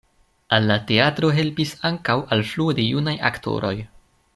Al la teatro helpis ankaŭ alfluo de junaj aktoroj.